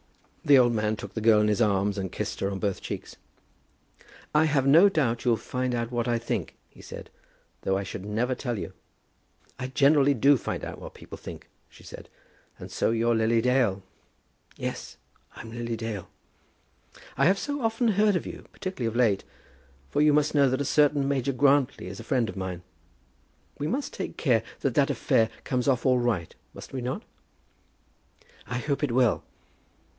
The old man took the girl in his arms, and kissed her on both cheeks. "I have no doubt you'll find out what I think," he said, "though I should never tell you." "I generally do find out what people think," she said. "And so you're Lily Dale?" "Yes, I'm Lily Dale." "I have so often heard of you, particularly of late; for you must know that a certain Major Grantly is a friend of mine. We must take care that that affair comes off all right, must we not?" "I hope it will."